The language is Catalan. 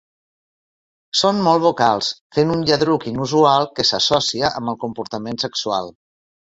Són molt vocals, fent un lladruc inusual que s'associa amb el comportament sexual.